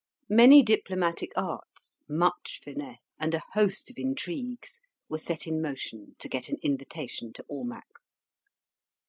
Many diplomatic arts, much finesse, and a host of intrigues, were set in motion to get an invitation to Almack's.